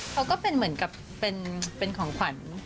เขาก็เป็นเหมือนกับเป็นของขวัญ